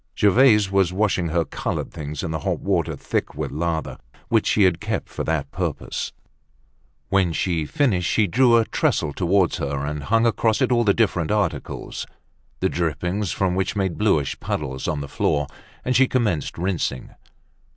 Gervaise was washing her colored things in the hot water thick with lather, which she had kept for the purpose. When she had finished, she drew a trestle towards her and hung across it all the different articles; the drippings from which made bluish puddles on the floor; and she commenced rinsing.